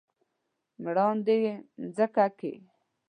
مراندې يې مځکه کې ،